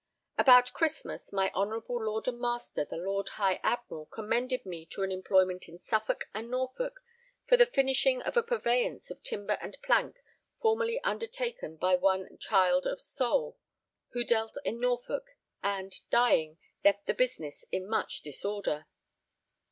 About Christmas my honourable lord and master the Lord High Admiral commended me to an employment in Suffolk and Norfolk for the finishing of a purveyance of timber and plank formerly undertaken by one Child of Sole, who dealt in Norfolk and, dying, left the business in much disorder.